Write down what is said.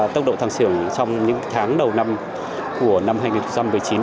tốc độ thăng xưởng trong những tháng đầu năm của năm hai nghìn một mươi chín